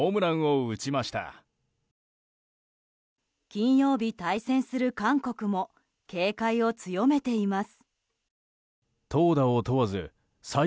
金曜日対戦する韓国も警戒を強めています。